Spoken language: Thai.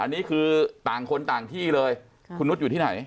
อันนี้คือต่างคนต่างที่เลยคุณนุษย์อยู่ที่ไหน